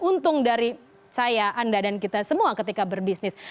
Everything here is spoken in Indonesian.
untung dari saya anda dan kita semua ketika berbisnis